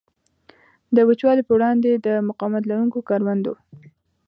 د وچوالي په وړاندې د مقاومت لرونکو کروندو.